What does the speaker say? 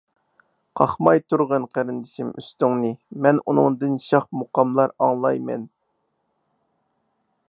قاقماي تۇرغىن قېرىندىشىم ئۈستۈڭنى، مەن ئۇنىڭدىن شاھ مۇقاملار ئاڭلاي مەن.